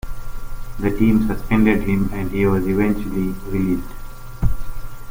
The team suspended him and he was eventually released.